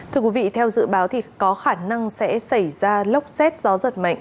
thưa quý vị theo dự báo thì có khả năng sẽ xảy ra lốc xét gió giật mạnh